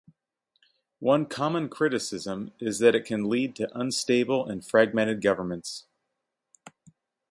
One common criticism is that it can lead to unstable and fragmented governments.